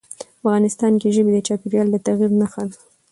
افغانستان کې ژبې د چاپېریال د تغیر نښه ده.